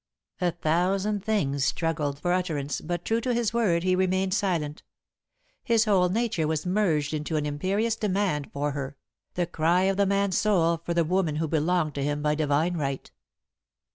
A thousand things struggled for utterance, but, true to his word, he remained silent. His whole nature was merged into an imperious demand for her, the cry of the man's soul for the woman who belonged to him by divine right.